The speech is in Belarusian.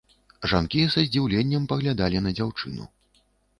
Жанкі са здзіўленнем паглядалі на дзяўчыну.